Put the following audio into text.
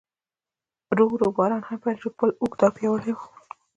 ورو ورو باران هم پیل شو، پل اوږد او پیاوړی و.